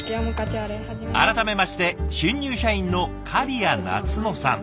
改めまして新入社員の狩屋なつ乃さん。